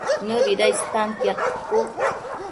¿Nëbida istantiad cucu?